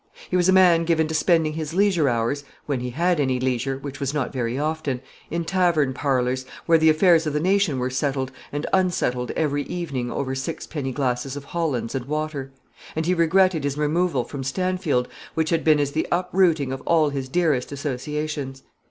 He was a man given to spending his leisure hours when he had any leisure, which was not very often in tavern parlours, where the affairs of the nation were settled and unsettled every evening over sixpenny glasses of hollands and water; and he regretted his removal from Stanfield, which had been as the uprooting of all his dearest associations.